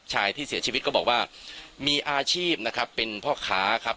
ชายที่เสียชีวิตก็บอกว่ามีอาชีพนะครับเป็นพ่อค้าครับ